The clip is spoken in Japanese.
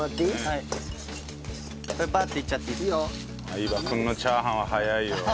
相葉君のチャーハンは早いよ。